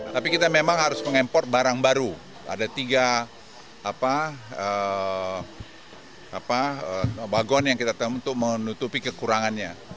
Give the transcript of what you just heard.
tapi kita memang harus mengimpor barang baru ada tiga bagon yang kita temu untuk menutupi kekurangannya